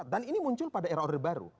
dan ini muncul pada era orde baru